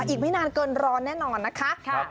อีกไม่นานเกินร้อนแน่นอนนะคะ